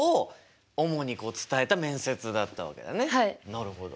なるほど。